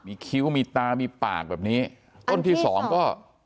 มีคิ้วมีตามีปากแบบนี้ต้นที่สองก็